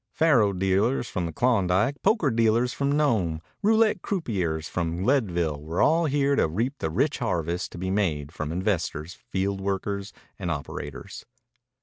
Faro dealers from the Klondike, poker dealers from Nome, roulette croupiers from Leadville, were all here to reap the rich harvest to be made from investors, field workers, and operators.